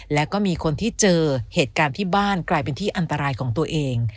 แล้วก็มีคนที่เจอเหตุการณ์ที่บ้านกลายเป็นที่อันตรายของตัวเอง